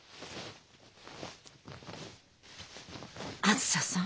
あづささん。